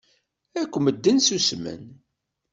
Akk medden ssusmen.